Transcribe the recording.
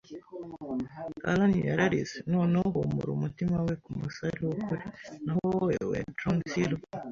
“Alan!” yararize. “Noneho humura umutima we ku musare w'ukuri! Naho wewe, John Silver,